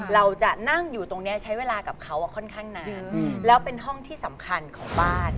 เราจะนั่งอยู่ตรงนี้ใช้เวลากับเขาค่อนข้างนานแล้วเป็นห้องที่สำคัญของบ้าน